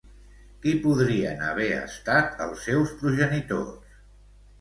Qui podrien haver estat els seus progenitors?